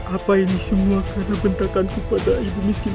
apa ini semua karena bentakanku pada air miskin itu